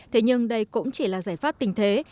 thế nhưng đây cũng chỉ là giải pháp tình thế